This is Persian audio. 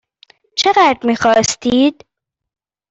چقدر میخواستید؟